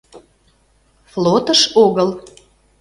— Флотыш огыл.